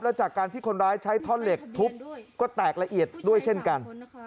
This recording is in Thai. และจากการที่คนร้ายใช้ท่อนเหล็กทุบก็แตกละเอียดด้วยเช่นกัน